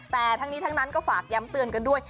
แต่ทั้งนี้ทั้งนั้นก็ฝากย้ำเตือนกันด้วย